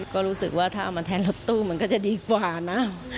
ก็รู้สึกว่าถ้าเอามาแทนรถตู้มันก็จะดีกว่านะ